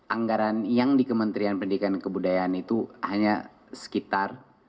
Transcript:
anggaran yang di kementerian pendidikan dan kebudayaan itu hanya sekitar